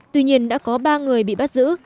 tuy nhiên đã có ba người bị bắt giữ